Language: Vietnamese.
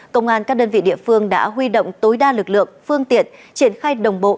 công an các đơn vị địa phương đã huy động tối đa lực lượng phương tiện triển khai đồng bộ